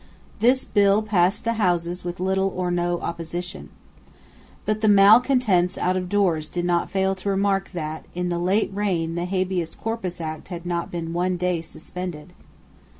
This bill passed the two Houses with little or no opposition. But the malecontents out of doors did not fail to remark that, in the late reign, the Habeas Corpus Act had not been one day suspended.